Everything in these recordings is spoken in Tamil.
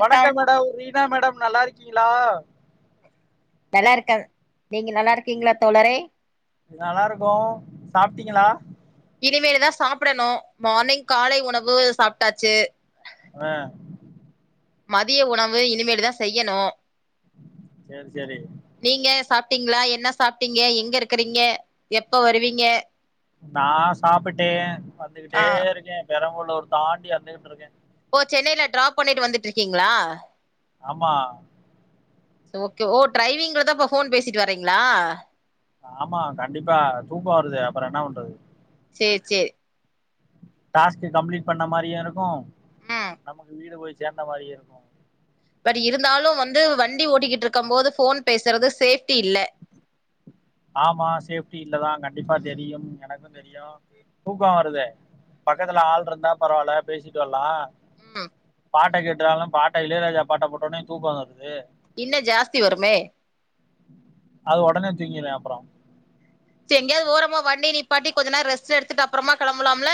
வணக்கம் மேடம் ரீனா மேடம் நல்லா இருக்கீங்களா நல்லா இருக்க நீங்க நல்லா இருக்கீங்ளா தோழரே நல்லா இருக்கோ சாப்டீங்களா இனிமேலதா சாப்டனு மார்னிங் காலை உணவு சாப்டாச்சு ஆ மதிய உணவு இனிமேட்டுதா செய்யனு சேர் சேரி சாப்டீங்களா? என்ன சாப்டீங்க? எங்க இருக்கறீங்க? எப்ப வருவீங்க? நா சாப்பிட்டே ஆ வந்துகிட்டே இருக்கே பெரம்பலூர் தாண்டி வந்துகிட்டுருக்கே ஓ சென்னைல டிராப் பண்ணிட்டு வந்துட்டுருக்கீங்களா ஆமா ட்ஸ் ஓகே ஓ டிரரைவிங்லதா இப்ப ஃபோன் பேசிட்டு வரீங்களா ஆமா கண்டிப்பா தூக்கோ வருதே அப்பறோ என்ன பண்றது சேர் சேரி டாஸ்க்கு கம்ப்ளீட் பண்ண மாரியு இருக்கு ம் நமக்கு வீடு போய் சேந்த மாரியு இருக்கு இருந்தாலும் வந்து வண்டி ஓட்டிகிட்டு இருக்கும் போது ஃபோன் பேசுறது சே ஆமா சேப்டி இல்லதாங்க ண்டிப்பா தெரியும் எனக்கும் தெரியும் தூக்கோ வருதே பக்கத்துல ஆள் இருந்தா பரவால பேசிட்டு வரலாம் ம் பாட்ட கேட்டாலும் பாட்ட இளையராஜா பாட்ட போட்டோனே தூக்கம் வந்துருது இன்னு ஜாஸ்தி வருமே அது உடனே தூங்கிறுவ அப்ரோ எங்கேயாவது ஓரமா வண்டி நிப்பாட்டி கொஞ்ச நேரம் ரெஸ்ட் எடுத்துட்டு அப்பறமா கிளம்பலாம்ல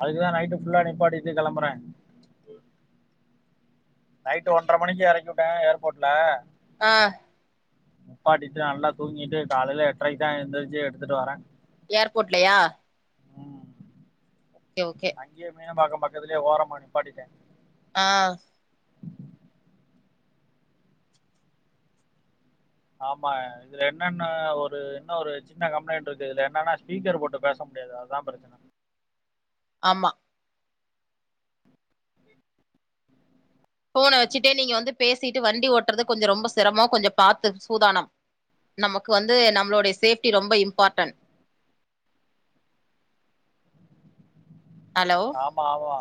அதுக்குதான் நைட்டு ஃபுல்லா நிப்பாட்டிட்டு கிளம்புறேன் நைட்டு ஒன்ற மணிக்கு எறக்கி வுட்ட ஏர்போர்ட்ல ஆ நிப்பாட்டிட்டு நல்லா தூங்கிட்டு காலையில எட்றைக்கு தான் எந்திரிச்சு எடுத்துட்டு வரேன் ஏர்போர்ட்லையா ம். ஓகே ஓகே அங்கேயே மீனம்பாக்கம் பக்கத்துலயே ஓரமா நிப்பாட்டிட்ட ஆ ஆமா இதுல என்னன்னா ஒரு இன்னொரு சின்ன கம்ப்ளைண்ட் இருக்கு இதுல என்னன்னா ஸ்பீக்கர் போட்டு பேசா முடியாது அதா பிரச்சன ஆமா ஃபோன வச்சுட்டே நீங்க வந்து பேசிட்டு வண்டி ஓட்டுறது கொஞ்சோ ரொம்ப சிரமோ கொஞ்சோ பாத்து சூதானம் நமக்கு வந்து நம்மளோடைய சேஃப்ட்டி ரொம்ப இம்பார்ட்டன்ட் ஹலோ ஆமா ஆமா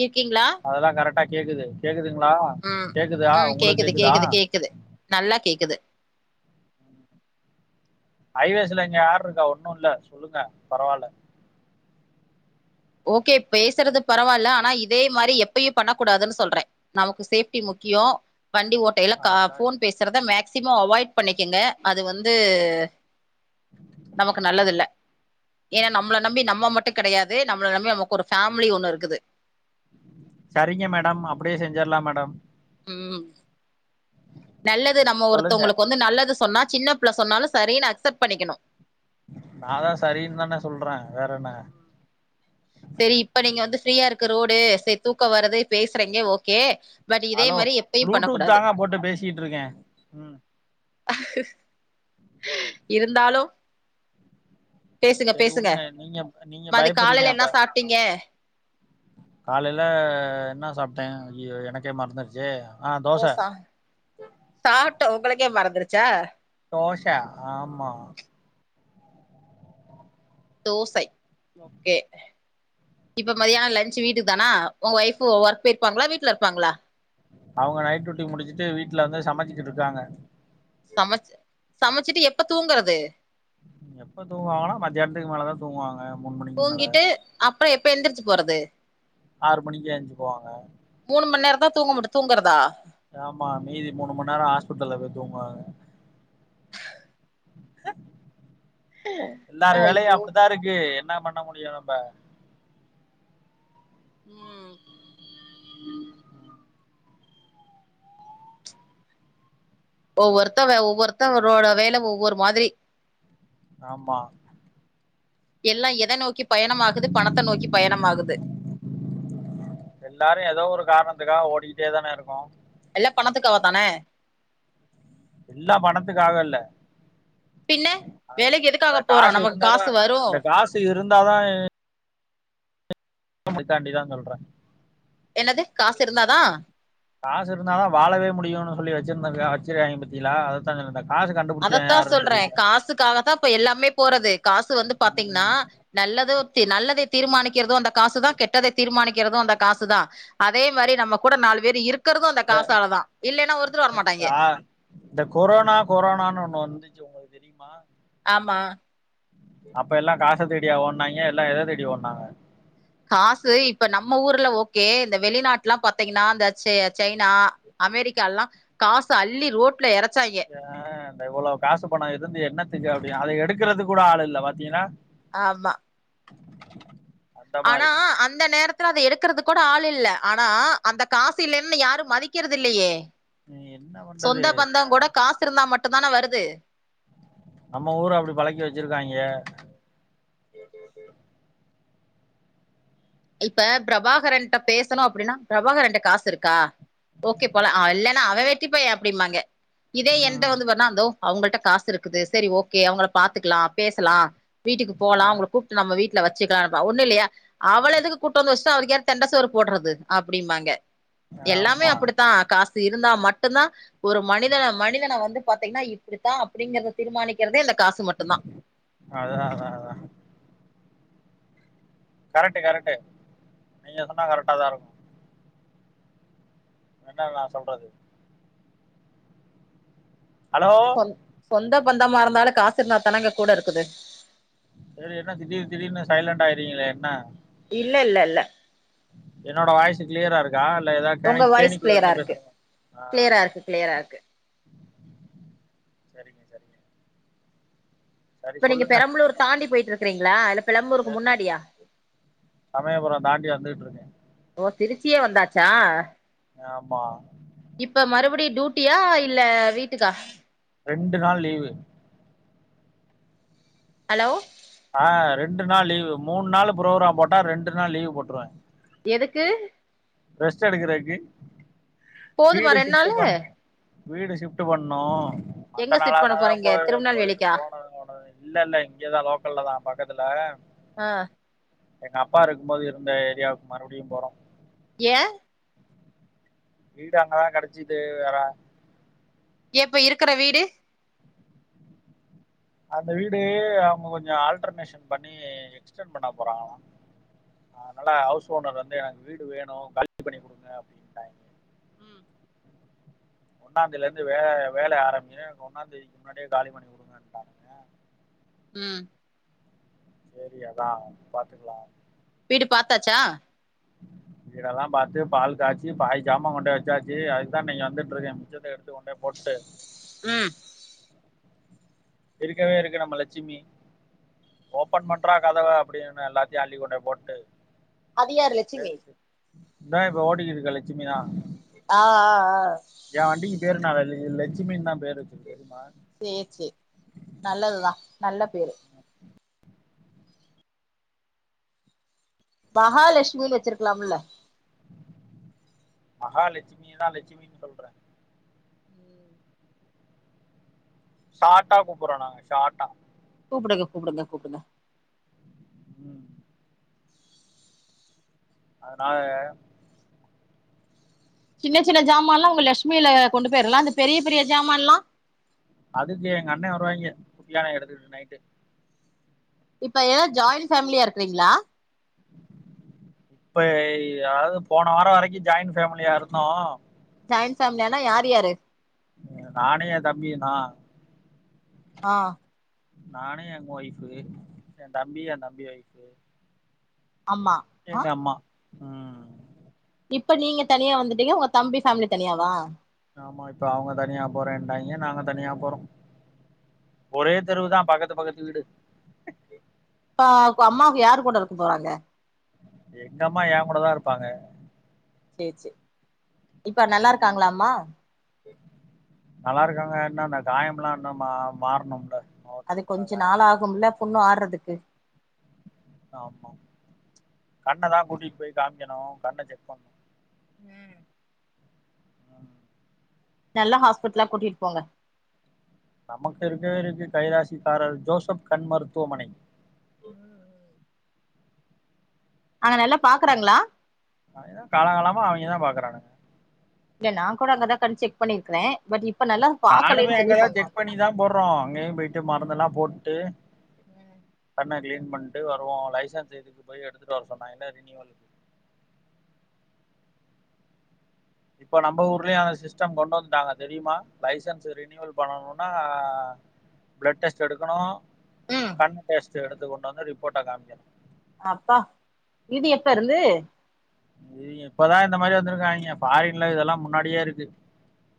இருக்கீங்களா அதெல்லாம் கரெக்டா கேக்குது கேக்குதுங்களா ம் கேக்குதா ம் உங்களுக்கு கேக்குது கேக்குதா கேக்குது கேக்குது நல்லா கேக்குது ஹைவேஸ்ல இங்க யாரு இருக்கா ஒன்னும் இல்ல சொல்லுங்க பரவாயில்ல ஓகே பேசுறது பரவாயில்ல ஆனா இதே மாரி எப்பயும் பண்ணக்கூடாதுன்னு சொல்றேன் நமக்கு சேஃப்டி முக் கியோ வண்டி ஓட்டையில கா அதெல்லாம் ஃபோன் பேசுறத மேக்சிமம் அவாய்ட் பண்ணிக்கங்க அது வந்து நமக்கு நல்லது இல்ல ஏனா நம்மள நம்பி நம்ம மட்டு கடையாது நம்மள நம்பி நமக்கு ஒரு ஃபேமிலி ஒன்னு இருக்குது சரிங்க மேடம் அப்படியே செஞ்சர்லாம் மேடம் உம் நல்லது நம்ம சொல்லுங்க ஒருத்தவங்களுக்கு வந்து நல்லது சொன்னா சின்னப்புள்ள சொன்னாலும் சரின்னு அக்செப்ட் பண்ணிக்கணும் நான்தா சரினு தானே சொல்ற வேற என்ன சரி இப்ப நீங்க வந்து ஃப்ரீயா இருக்கு ரோடு சரி தூக்க வரது பேசுறீங்க ஓகே பட் இதே அலோ மாரி எப்பயு ப்ளூடூத் பண்ணக்கூடாது தாங்க போட்டு பேசிட்டு இருக்கே உம் இருந்தாலு பேசுங்க சரி பேசுங்க உடுங்க நீங்கப் நீங்க மதி பயப்படுறீங்க காலைல என்ன அப்ப சாப்ட்டீங்க காலையில என்ன சாப்ட்ட ஐயய்யோ எனக்கே மறந்துருச்சே ஆ ஓ தோச சா சாப்ட்ட உங்களுக்கே மறந்துருச்சா ஓஷா ஆமா தோசை ஓகே இப்ப மத்தியானம் லன்ச் வீட்டுக்கு தானா உங்க ஒய்ஃப் ஒர்க் போயிருப்பாங்களா வீட்டுல இருப்பாங்களா அவங்க நைட் டியூட்டி முடிச்சுட்டு வீட்டுல வந்து சமைச்சிக்கிட்டுருக்காங்க சமச்சு சமச்சிட்டு எப்ப தூங்குறது எப்ப தூங்குவாங்கன்னா மத்தியானத்துக்கு மேலதா தூங்குவாங்க மூணு மணிக்கு மேல தூங்கிட்டு அப்ப எப்ப எந்திரிச்சு போறது ஆறு மணிக்கு எஞ்சுக்குவாங்க மூணு மண் நேரந்தா தூங்க முட் தூங்கறதா ஆமா மீதி மூணு மண் நேர ஹாஸ்பிட்டல்ல தா தூங்குவாங்க எல்லார் வேலையு ஐயோ அப்டிதா இருக்கு என்னா பண்ண முடியு நம்ப ம் ஒவ்வொருத்த ஒவ்வொருத்தரோட வேல ஒவ்வொரு மாதிரி ஆமா எல்லா எத நோக் கி பயணமாகுது பணத்த நோக்கி பயணமாகுது துக்காக ஓடிகிட்டே தான இருக்கோ எல்லா பணத்துக்காக தான எல்லா பணத்துக்காக இல்ல பின்ன அ வேலைக்கு எதுக்காக அ போறோ காசு நமக்கு இருந்தாதா காசு வரு இந்த காசு இருந்தாதா அதுக்காண்டி தா சொல்ற என்னது காசு இருந்தாதா காசிருந்தாதா வாழவே முடியுன் சொல்லி வச்சிருந்தது வச்சிருக்காக பாத்திங்லா அதத்தா சொன்ன நானு அதத்தா சொல்றே காசுக்காகத்தா ப்ப எல்லாமே போறது காசு வந்து பாத்திங்னா ம் நல்லதோ நல்லதை தீர்மானிக்கிறது அந்த காசு தா கெட்டதை தீர்மானிக்கிறது அந்த காசு தா அதே மாரி நம்ம கூட நா வேறு இருக் த வரமாட்டாய்ங்க தா இந்த கொரோனா கொரோனான் ஒண்ணு வந்துச்சு உங்களுக்கு தெரிமா ஆமா அப்ப எல்லா காச தேடியா ஓடுனாய்ங்க எல்லா எத தேடி ஓடுனாங்க காசு இப்ப நம்ம ஊர்ல ஓகே இந்த வெளிநாட்ல்லா பாத்திங்னா இந்த ச சைனா அமெரிக்காலா காச அள்ளி ரோட் ஏ த இவ்ள காசு பண இருந்து என்ன செஞ்சாப்டி அத எடுக்றதுக் கூட ஆள் இல்ல பாத்திங்ளா ஆமா அந்த ஆனா மாரி அந்த நேரத்துல அத எடுக்கறதுக் கோட ஆள் இல்ல ஆனா அந்த காசில்லன்னு யாரு மதிக்கறது இல்லையே ம் என்ன பண்றது சொந்த பந்தங்கோட காசிருந்தா மட்டுந்தான வருது நம்ம ஊரு அப்டி பழக்கி வச்சிருக்காய்ங்க இப்ப பிரபாகரன்ட்ட பேசணு அப்டினா பிரபாகரன்ட்ட காசிருக்கா ஓகே போலா அ இல்லனா அவ வெட்டி பைய அப்டிம்பாங்க இதே என்ட்ட ம் வந்து பார்னா தோ அவங்கள்ட்ட காசிருக்குது சரி ஓகே அவங்கள பாத்துக்கலா பேசலா வீட்டுக்கு போலா அவங்கள கூப்ட்டு நம்ம வீட் ல வச்சுக்கலாம்ப்ப ஒண்ணு இல்லையா அவள தண்ட சோறு போடறது அப்டிம்பாங்க எல்லாமே ஆமா அப்படித்தா காசு இருந்தா மட்டுந்தா ஒரு மனிதன மனிதன வந்து பாத்திங்னா இப்பிடித்தா அப்படிங்கறத தீர்மானிக்கிறதே இந்த காசு மட்டுந்தா அதா அதா அதா கரெட்டு கரெட்டு நீங்க சொன்னா கரெக்டா தா இருக்கு என்ன நா சொல்றது ஹலோ சொ சொந்த பந்தமா இருந்தாலு காசிருந்தா தானங்க கூட இருக்குது செரி என்ன திடீர் திடீர்னு சைலண்ட் ஆயர்றிங்ளே என்ன இல்லல்ல இல்ல என்னோட வாய்ஸு க்ளியரா இருக்கா இல்ல எதாது உங்க கேணைக் வாய்ஸ் கேணிக்குல இருந்து பேசுற ஆ க்கு சரிங்க சரிங்க சரி இப்ப நீங்க சொல்லுங்க பெரம்பலூர் தாண்டி போயிட்ருக்கிறிங்களா இல்ல பெலம்பலூர்க்கு முன்னாடியா சமயபுர தாண்டி வந்துட்ருக்கே ஓ திருச்சியே வந்தாச்சா ஆமா இப்ப மறுபடி டுயூட்டியா இல்ல வீட்டுக்கா ரெண்டு நாள் லீவு அலோ ஆ ரெண்டு நாள் லீவு மூணு நாள் ப்ரோக்ராம் போட்டா ரெண்டு நாள் லீவு போட்ருவே எதுக்கு ரெஸ்ட் எடுக்கறக்கு போதுமா வீடு ரெண்டு ஷிப்ட் நாளு பண் வீடு ஷிப்ட் பண்ணோ எங்க மத்த சிட் பண்ண நாளானா தா போறீங்க போய் போயிட்டு திருநெல்வேலிக்கா போனனும் இல்ல இல்ல இங்கதான் லோக்கல்ல தான் பக்கத்துல [unintelligible] ஆ எங்க அப்பா இருக்கும் போது இருந்த ஏரியாவுக்கு மறுபடியும் போறோம் ஏ வீடு அங்கதா கிடைச்சிது வேற எப்ப இருக்கற வீடு அந்த வீடு அவங்க கொஞ்சொ ஆல்டர்னேஷன் பண்ணி எக்ஸ்டன் பண்ண போறாங்கலா அதனால ஹவுஸ் ஓனர் வந்து எனக்கு வீடு வேணும் காலி பண்ணி கொடுங்க அப்படின்ட்டாங்க ம் ஒன்னா தேதில இருந்து வே வேல ஆரம்பி ஒன்னாம்ந்த தேதிக்கு முன்னாடியே காலி பண்ணி கூடுங்கட்டாங்க ம் செரி அதான் பாத்துக்கலா வீடு பாத்தாச்சா வீடெல்லா பாத்து பால் காய்ச்சி பாதி ஜாமான் கொண்டு வச்சாச்சி அதுக்தா இன்னைக்கு வந்துட்டு இருக்கேன் மிச்சத்த எடுத்து கொண்டு போய் போட்டு ம் இருக்கவே இருக்கு நம்ம லட்சுமி ஓப்பன் பண்றா கதவ அப்படின்னு எல்லாத்தையும் அள்ளிக் கொண்டு போய் போட்டு அது யாரு லட்சுமி இதான் இப்ப ஓடிக்கிட்டு இருக்க லட்சுமிதா ஆ ஆ ஆ பேருநா வள்ளி இலட்சுமின்னு தான் பேரு வச்சி தெரியுமா சேரி சேரி நல்லதுதா நல்ல பேரு மகாலட்சுமின்னு வச்சிருக்கலாம்ல மகாலட்சுமி தா லட்சுமின்னு சொல்றே ஷாட்டா கூப்புறோ நான்னு ஷாட்டா கூப்புடுங்க கூப்புடுங்க கூப்புடுங்க ம் அதனால சின்ன சின்ன ஜாமால்லா உங்க லெஷ்மியில கொண்டு போயிடலாம் அந்த பெரிய பெரிய ஜாமான் எல்லா அதுக்கு எங்க அண்ண வருவாய்ங்க குட்டி யானை எடுத்துக்கிட்டு நைட்டு இப்ப ஏ ஜாயிண்ட் ஃபேமிலியா இருக்றீங்களா இப்ப அதாவது போன வாரம் வரைக்கும் ஜாயின் ஃபேமிலியா இருந்தோ ஜாயின் ஃபேமிலியானா யார் யாரு நானும் என் தம்பியு தான் ஆ நானு எங்க வைஃப்பு என் தம்பி என் தம்பி வைஃப்பு ஆமா ஆ ம் இப்ப நீங்க தனியா வந்துட்டீங்க உங்க தம்பி ஃபேமிலி தனியாவா ஆமா இப்ப அவுங்க தனியா போறேண்டாங்க நாங்க தனியா போறோம் ஒரே தெருவுதா பக்கத்து பக்கத்து வீடு இப்பா இப்ப அம்மாவுக்கு யாரு கூட இருக்க போறாங்க எங்கம்மா ஏ கூடதா இருப்பாங்க சேரி சேரி இப்ப நல்லா ம் இருக்காங்களா அம்மா நல்லா இருக்காங்க இன்னோ அந்த காயம்லா இன்னு மா மாறணும்ல முகத்துல அது பட்ட கொஞ்ச நாள் ஆகும்ல புண்ணு ஆருறதுக்கு ஆமா கண்ணதா கூட்டிட்டு போயி காமிக்கணு கண்ண செக் பண்ணனு ம் ம் நல்ல ஹாஸ்பிட்லா கூட்டிட்டு போங்க நமக்கு இருக்கவே இருக்கு கைராசிக்காரர் ஜோசப் கண் மருத்துவமனை ம் ம் அங்க நல்லா பாக்குறாங்களா அவெங்கதா காலங்கலமா அவெங்கதா பாக்குறானுங்க இல்ல நா கூட அங்கதா கண் செக் பண்ணிருக்கே பட் இப் நானுமே அங்கதா செக் பண்ணிதா போட்றோ அங்கயு போயிட்டு மருந்தெல்லா போட்டுட்டு ம் கண்ண கிளீன் பண்ட்டு வருவோ லைசன்ஸ்க்கு போய் எடுத்துட்டு வர சொன்னாங்கல்ல [unintelligible] [inaudible] இப்ப நம்ம ஊர்லயு அந்த சிஸ்டம் கொண்டு வந்துட்டாங்க தெரியுமா லைசன்ஸ் ரினியவல் பண்ணணுன்னா ப்ளட் டெஸ்ட் எடுக்கணு ம் கண் டெஸ்ட் எடுத்துக் கொண்டு வந்து ரிப்போட்ட காமிக்கெணு அப்பா இது எப்ப இருந்து இது இப்பதா இந்த மாரி வந்துருக்காங்க பாரின்ல இதெல்லா முன்னாடியே இருக்கு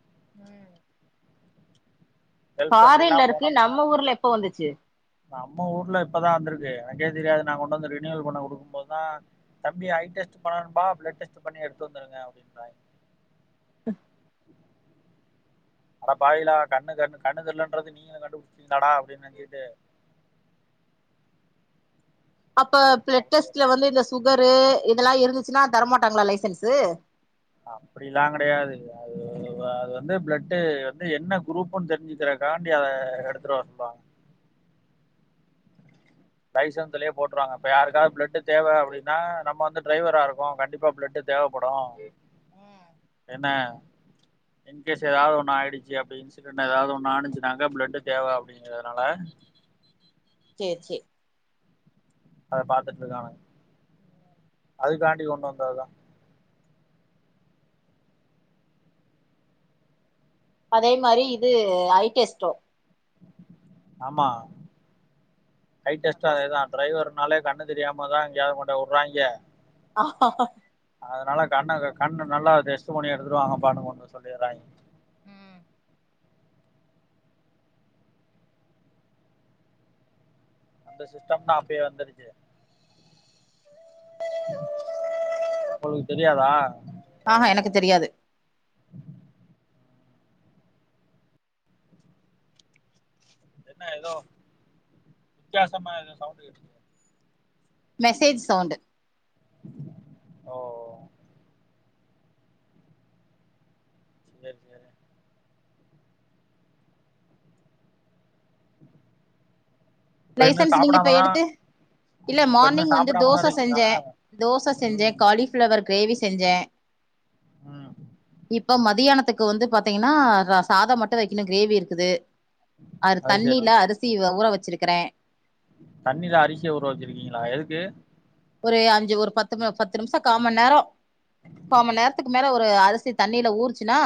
ம் கெல்ப் எண்ட்ரில்லா இருக்கு போனம்னா நம்ம ஊர்ல எப்ப வந்துச்சு நம்ம ஊர்ல இப்பதா வந்துருக்கு அங்கேயே தெரியாது நாங்க கொண்டு வந்து ரினியவல் பண்ண குடுக்கும்போது தா தம்பி ஐ டெஸ்ட் பண்ணணும்பா ப்ளட் டெஸ்ட் பண்ணி எடுத்து வந்துருங்க அப்டின்றாங்க ஹ் அட பாவியலா கண்ணு கண் கண்ணு தெரிலன்றது நீங்களு கண்டுபிடிச்சுட்டிங்களாடா அப்டின்னு நெனச்சுட்டு [inaudible] அப்ப ப்ளட் டெஸ்ட்ல வந்து இந்த சுகரு இதெல்லா இருந்துச்சுன்னா தரமாட்டாங்களா லைசன்ஸு அப்புடில்லா கெடையாது அது துவா அது வந்து ப்ளட்டு வந்து என்ன குரூப்ன்னு தெரிஞ்சுக்குற காண்டி அத எடுத்துட்டுவற சொல்லுவாங்க [inaudible] லைசன்ஸ்லயே போட்டுருவாங்க இப்ப யாருக்காவது ப்ளட் தேவ அப்டின்னா நம்ம வந்து ட்ரைவரா இருக்கோ கண்டிப்பா ப்ளட் தேவப்படும் என்ன இன்கேஸ் எதாவது ஒண்ணு ஆயிடுச்சு அப்டி இன்சிடெண்ட் எதாவது ஒண்ணு ஆனுச்சுனாங்க ப்ளட்டு் தேவ அப்டிங்கிறதுனால அ [inaudible] சேரி சே அத பாத்துட்ருக்காங்க சேரி அது காண்டி கொண்டு வந்ததுதா அதே மாரி இது ஐ டெஸ்டும் ஆமா ஐ டெஸ்ட்டும் அதேதா ட்ரைவர் னாலே கண்ணு தெரியாம தா எங்கையாவது கொண்ட வுட்றாங்க ஆ ஆஹ அதுனால கண்ண கண்ணு நல்லா டெஸ்ட் பண்ணி எடுத்துட்டு வாங்கப்பானு ஒண்ணு சொல்லிட்றாங்க ம் அந்த சிஸ்டம் தா அப்டியே வந்துருச்சு அவளுக்கு தெரியாதா ஆ ஹா எனக்கு தெரியாது என்ன ஏதோ வித்தியாசமா ஏதோ சவுண்ட் கேட்குது மெசேஜ் சவுண்டு் ஓ ஓ செரி செரி இப்ப இன்னு லைசன்ஸ் நீங்க இப்ப சாப்பிடாமதா எடுத்து இல்ல இப்ப இன்னு மார்னிங் வந்து சாப்பிடாமதா தோசை இருக்கீங்களா செஞ்சே தோசை செஞ்சே ம் காலிஃபிளவர் கிரேவி செஞ்சே ம் இப்ப மதியானத்துக்கு வந்து பாத்தீங்கன்னா சாதம் மட்டு வைக்கணு கிரேவி இருக்குது அது தண்ணில அரிசி ஊற வச்சிருக்கறே தண்ணில அரிசிய ஊற வச்சிருக்கீங்களா எதுக்கு ஒரு அஞ்சு ஒரு பத்து பத்து நிமிஷம் கா மணி நேர முக்கா மணி நேரத்துக்கு மேல ஒரு அரிசி தண்ணியில ஊறிச்சுன்னா